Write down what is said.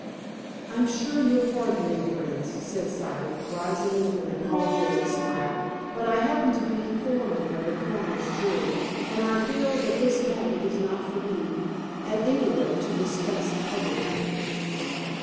"I'm sure you'll pardon me, friends," said Siddle, rising with an apologetic smile, "but I happen to be foreman of the coroner's jury, and I feel that this matter is not for me, at any rate, to discuss publicly."